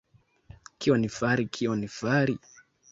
Kion fari, kion fari?